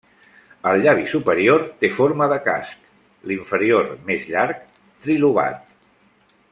El llavi superior té forma de casc, l'inferior més llarg, trilobat.